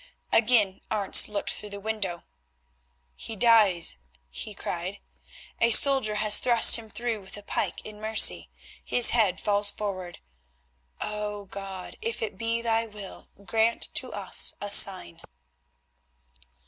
Again Arentz looked through the window. "He dies!" he cried; "a soldier has thrust him through with a pike in mercy, his head falls forward. Oh! God, if it be Thy will, grant to us a sign."